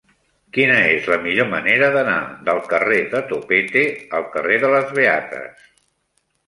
Quina és la millor manera d'anar del carrer de Topete al carrer de les Beates?